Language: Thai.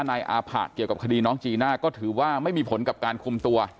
นายอาผะเกี่ยวกับคดีน้องจีน่าก็ถือว่าไม่มีผลกับการคุมตัว